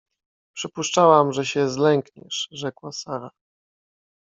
— Przypuszczałam, że się zlękniesz — rzekła Sara.